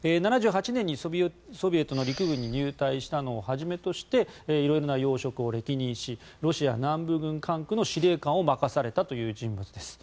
７８年にソビエトの陸軍に入隊したのをはじめとして色々な要職を歴任しロシア南部軍管区の司令官を任されたという人物です。